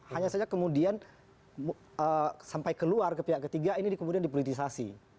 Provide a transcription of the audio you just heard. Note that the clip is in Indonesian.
hanya saja kemudian sampai keluar ke pihak ketiga ini kemudian dipolitisasi